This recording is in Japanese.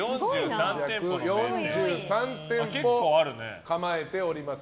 ３４３店舗構えております。